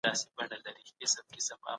زنا د کورنۍ نظام خرابوي.